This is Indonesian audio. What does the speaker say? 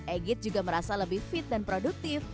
egit juga merasa lebih fit dan produktif